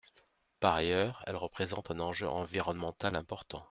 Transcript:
Par ailleurs, elle représente un enjeu environnemental important.